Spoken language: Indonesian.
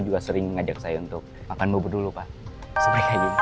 juga sering ngajak saya untuk makan bobot dulu pak